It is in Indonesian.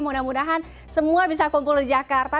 mudah mudahan semua bisa kumpul di jakarta